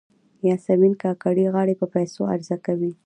یاسمین کاکړۍ غاړې په پیسو عرضه کوي.